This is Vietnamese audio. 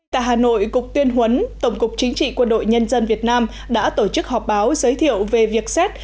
tại hà nội cục tuyên huấn tổng cục chính trị quân đội nhân dân việt nam đã tổ chức họp báo giới thiệu về việc xét